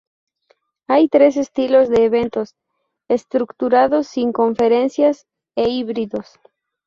Hay tres estilos de eventos, Estructurados, Sin Conferencias, e híbridos.